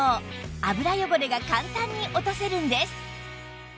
油汚れが簡単に落とせるんです